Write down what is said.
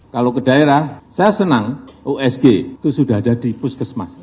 kalau ke daerah saya senang usg itu sudah ada di puskesmas